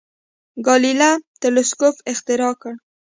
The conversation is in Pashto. ګالیله تلسکوپ اختراع کړ.